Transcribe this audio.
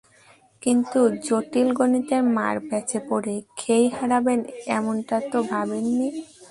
কিন্তু জটিল গণিতের ম্যারপ্যাঁচে পড়ে খেই হারাবেন এমনটা তো ভাবেননি।